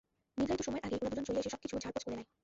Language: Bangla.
নির্ধারিত সময়ের আগেই ওরা দুজন চলে এসে সবকিছু ঝাড়পোঁছ করে নেয়।